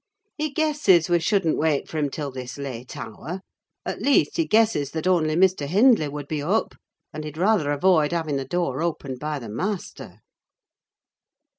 He guesses we shouldn't wait for him till this late hour: at least, he guesses that only Mr. Hindley would be up; and he'd rather avoid having the door opened by the master."